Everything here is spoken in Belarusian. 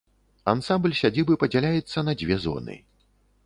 Ансамбль сядзібы падзяляецца на дзве зоны.